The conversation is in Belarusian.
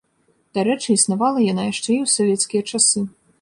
Дарэчы, існавала яна яшчэ і ў савецкія часы.